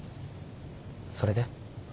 それで？